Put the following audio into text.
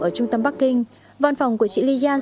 ở trung tâm bắc kinh văn phòng của chị liyan